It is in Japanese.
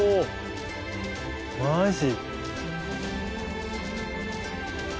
マジ？